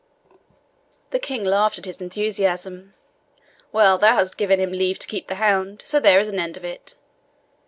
The King laughed at his enthusiasm. "Well, thou hast given him leave to keep the hound, so there is an end of it.